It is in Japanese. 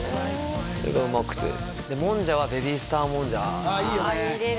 これがうまくてもんじゃはベビースターもんじゃああいいよね